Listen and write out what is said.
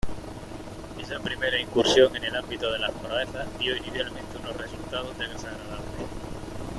Esta primera incursión en el ámbito de las "proezas" dio inicialmente unos resultados desagradables.